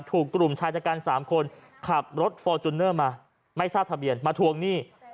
ถูกกลุ่มชายจัดการ๓คนขับรถฟอร์จูเนอร์มาไม่ทราบทะเบียนมาทวงหนี้